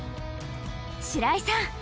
白井さん！